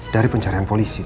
dari pencarian polisi